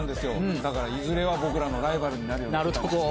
だからいずれは僕らのライバルになるような人たちが。